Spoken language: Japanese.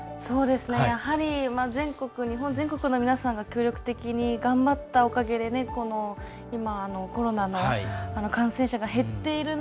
やはり日本全国の皆さんが協力的に頑張ったおかげで今、コロナの感染者が減っている中